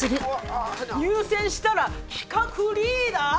入選したら企画リーダー！？